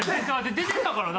出てたからな。